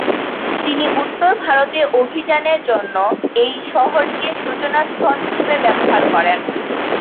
তিনি উত্তর ভারতে অভিযানের জন্য এই শহরকে সূচনাস্থল হিসেবে ব্যবহার করেন।